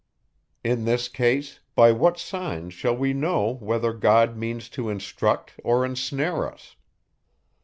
In this case, by what signs shall we know whether God means to instruct or ensnare us?